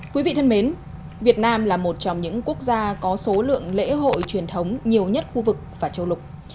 quý vị thân mến việt nam là một trong những quốc gia có số lượng lễ hội truyền thống nhiều nhất khu vực và châu lục